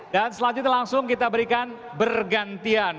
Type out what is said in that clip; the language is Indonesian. selanjutnya langsung kita berikan bergantian